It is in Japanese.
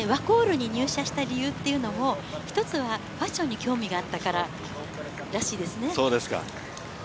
ワコールに入社した理由もファッションに興味があったかららしいですね。